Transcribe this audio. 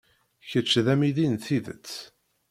Kečč d amidi n tidet.